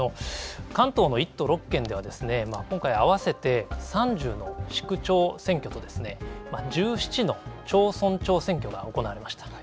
関東の１と６県では、今回合わせて３０の市区長選挙と１７の町村長選挙が行われました。